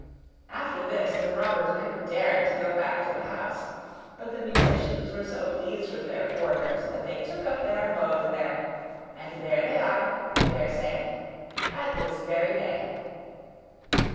After this the robbers never dared to go back to the house; but the musicians were so pleased with their quarters that they took up their abode there; and there they are, I dare say, at this very day.